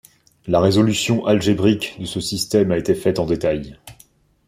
La résolution algébrique de ce système a été faite en détail.